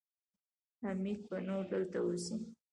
حميد به نور دلته اوسي.